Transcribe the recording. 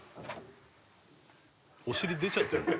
「お尻出ちゃってる」